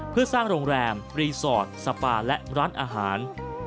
เพื่อสร้างโรงแรมรีสอร์ทสปาและร้านอาหาร